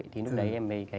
thì lúc đấy em thấy